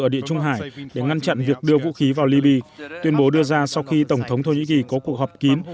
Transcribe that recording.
ở địa trung hải để ngăn chặn việc đưa vũ khí vào libya tuyên bố đưa ra sau khi tổng thống thổ nhĩ kỳ có cuộc họp kín